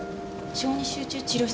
小児集中治療室？